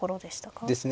そうですね。